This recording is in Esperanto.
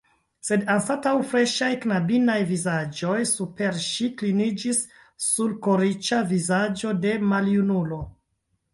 Sed anstataŭ freŝaj knabinaj vizaĝoj super ŝi kliniĝis sulkoriĉa vizaĝo de maljunulo.